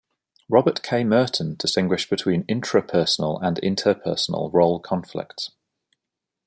Robert K. Merton distinguished between intrapersonal and interpersonal role conflicts.